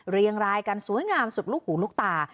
เรียงรายกันสวยงามสุดลูกหูลูกตา